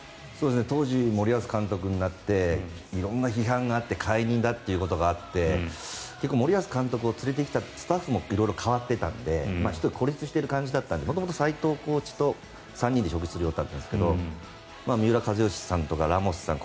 当時、森保監督になって色んな批判があって解任だっていうことがあって結構、森保監督を連れてきたスタッフも色々代わっていたので孤立している感じだったので元々斉藤コーチと、３人で食事する予定だったんですが三浦知良さんとかラモスさん